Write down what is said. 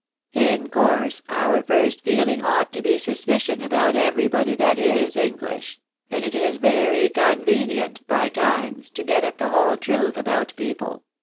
In course, our first feeling ought to be suspicion about everybody that is English ; and it is very convenient, by times, to get at the whole truth about people.